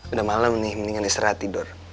udah malam nih mendingan istirahat tidur